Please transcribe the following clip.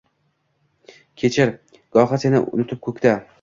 Kechir, gohi seni unutib ko‘kda